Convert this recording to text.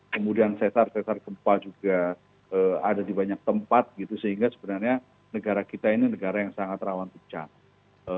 kemudian sesar sesar gempa juga ada di banyak tempat gitu sehingga sebenarnya negara kita ini negara yang sangat rawan bencana